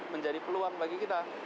menjadi peluang bagi kita